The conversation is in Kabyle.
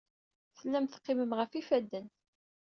Tellam teqqimem ɣef yifadden.